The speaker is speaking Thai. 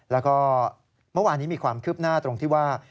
แล้วก็เมื่อวานนี้มีความคืบหน้าตรงที่ว่า